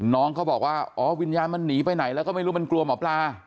น้องเขาบอกว่าอ๋อวิญญาณมันหนีไปไหนแล้วก็ไม่รู้มันกลัวหมอปลา